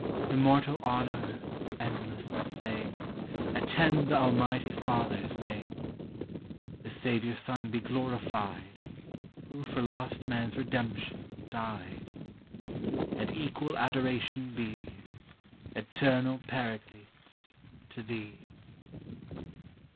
Immortal honor, endless fame, Attend the Almighty Father's name; The Saviour Son be glorified, Who for lost man's redemption died; And equal adoration be, Eternal Paraclete, to thee.